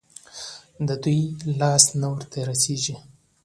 د دوى لاس نه ورته رسېږي.